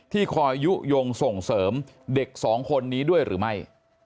คอยยุโยงส่งเสริมเด็กสองคนนี้ด้วยหรือไม่